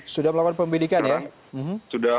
sudah melakukan pembidikan ya